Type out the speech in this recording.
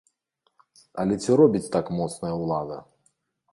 Але ці робіць так моцная ўлада?